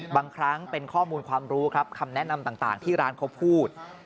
บางครั้งเป็นข้อมูลความรู้ครับคำแนะนำต่างที่ร้านเขาพูด